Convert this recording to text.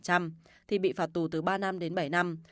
thì bị phạt tù từ ba năm đến bảy năm